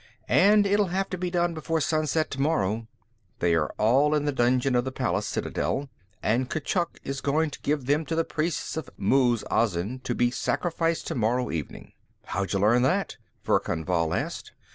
"And it'll have to be done before sunset tomorrow. They are all in the dungeon of the palace citadel, and Kurchuk is going to give them to the priests of Muz Azin to be sacrificed tomorrow evening." "How'd you learn that?" Verkan Vall asked.